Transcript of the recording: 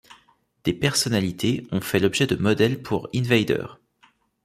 Des personnalités ont fait l'objet de modèle pour Invader.